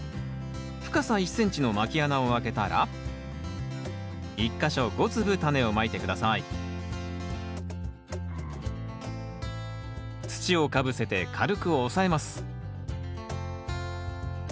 深さ１ｃｍのまき穴をあけたら１か所５粒タネをまいて下さい土をかぶせて軽く押さえます